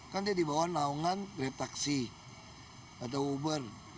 kan dia dibawa naungan grabtaksi atau uber